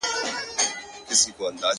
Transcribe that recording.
o دي روح کي اغښل سوی دومره؛